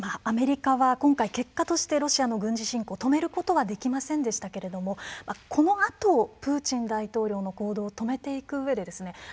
アメリカは今回結果としてロシアの軍事侵攻を止めることはできませんでしたけれどもこのあとプーチン大統領の行動を止めていくうえでですね